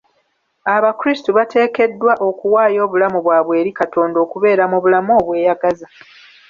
Abakrisito bateekeddwa okuwaayo obulamu bwabwe eri Katonda okubeera mu bulamu obweyagaza.